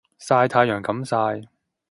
曬太陽咁曬